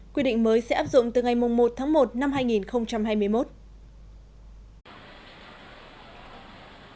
quy định mới sẽ áp dụng từ ngày một một hai nghìn hai mươi một